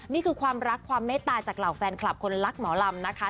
นี่คือความรักความเมตตาจากเหล่าแฟนคลับคนรักหมอลำนะคะ